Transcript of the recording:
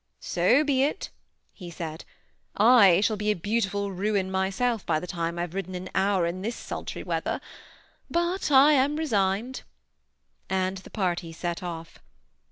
" So be it," he said. " I shall be a beautiful ruin my self by the time I have ridden an hour in this sultry weather ; but I am resigned ;" and the party set off.